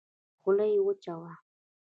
خوله يې وچه وه.